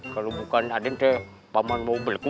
kalau bukan adik pak man mau berlaku